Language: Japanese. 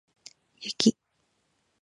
雪